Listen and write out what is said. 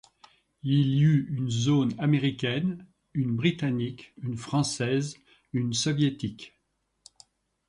Il y eut une zone américaine, une britannique, une française, une soviétique.